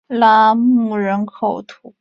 拉穆人口变化图示